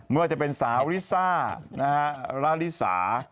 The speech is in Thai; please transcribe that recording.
เมื่อจะเป็นสาวลิซ่าลาลิซ่า